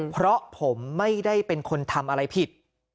เพราะผมไม่ได้เป็นคนทำอะไรผิด